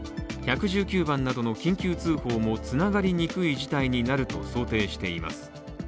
１１９番などの緊急通報も繋がりにくい事態になると想定しています。